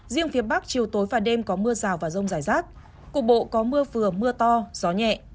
riêng phía bắc chiều tối và đêm có mưa rào và rông rải rác cục bộ có mưa vừa mưa to gió nhẹ